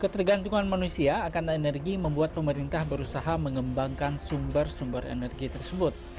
ketergantungan manusia akan energi membuat pemerintah berusaha mengembangkan sumber sumber energi tersebut